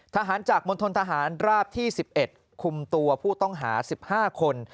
ทหารจากมณฑนทหารราบที่๑๑คุมตัวผู้ต้องหา๑๕คน